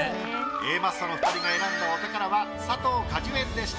Ａマッソの２人が選んだお宝は佐藤果樹園でした。